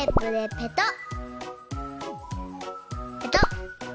ペトッ。